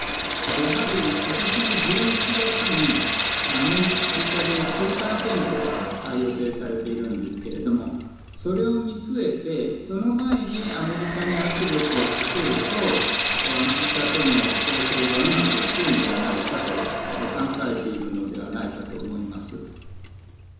やはり、ことしの１１月にアメリカで中間選挙が予定されているんですけれどもそれを見据えて、その前にアメリカに圧力をかけるとアメリカとの交渉がうまくいくんではないかと考えているのではないかと思います。